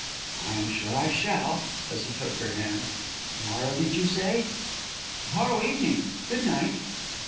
"I am sure I shall," as he took her hand. "Tomorrow, did you say?" "To morrow evening. Good night."